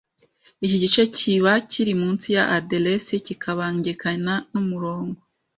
Iki gice kiba kiri munsi ya aderesi kikabangikana n’umurongo